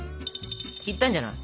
いったんじゃない？